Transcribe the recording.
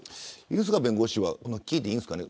犬塚弁護士は聞いていいですかね。